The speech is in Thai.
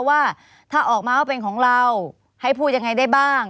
ว่าถ้าออกมาว่าเป็นของเราให้พูดยังไงได้บ้าง